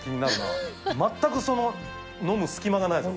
全くその飲む隙間がないぞ。